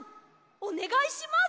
おねがいします！